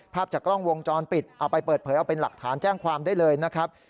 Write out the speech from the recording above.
ภาพจากกล้องวงจรปิดเอาไปเปิดเผยเอาเป็นหลักฐานแจ้งความได้เลยนะครับ